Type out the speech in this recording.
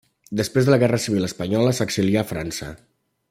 Després de la guerra civil espanyola s'exilià a França.